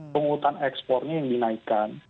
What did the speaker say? penghutang ekspornya yang dinaikkan